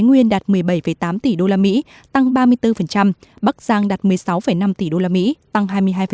nguyên đạt một mươi bảy tám tỷ đô la mỹ tăng ba mươi bốn bắc giang đạt một mươi sáu năm tỷ đô la mỹ tăng hai mươi hai